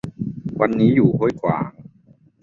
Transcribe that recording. วันนี้อยู่ห้วยขวาง